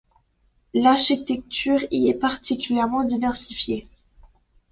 L'architecture y est particulièrement diversifiée.